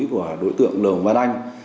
của đối tượng đồng văn anh